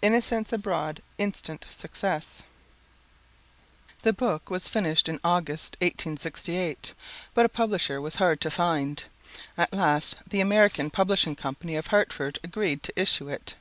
"Innocents Abroad" Instant Success The book was finished in August, 1868, but a publisher was hard to find. At last, the American Publishing Company of Hartford agreed to issue it.